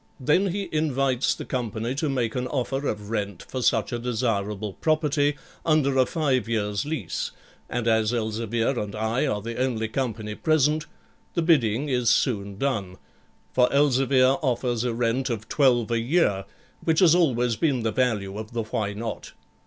Then he invites the company to make an offer of rent for such a desirable property under a five years' lease, and as Elzevir and I are the only company present, the bidding is soon done; for Elzevir offers a rent of 12 a year, which has always been the value of the Why Not?